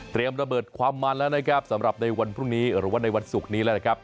ระเบิดความมันแล้วนะครับสำหรับในวันพรุ่งนี้หรือว่าในวันศุกร์นี้แล้วนะครับ